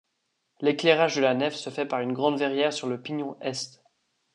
L'éclairage de la nef se fait par une grande verrière sur le pignon est.